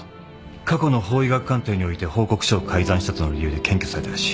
過去の法医学鑑定において報告書を改ざんしたとの理由で検挙されたらしい。